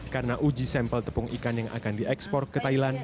karena uji sampel tepung ikan yang akan diekspor ke thailand